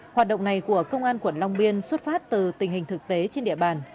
hoạt động này của công an quận long biên xuất phát từ tình hình thực tế trên địa bàn